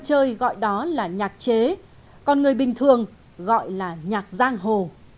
chơi gọi đó là nhạc chế còn người bình thường gọi là nhạc giang hồ